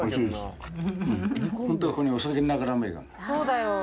そうだよ。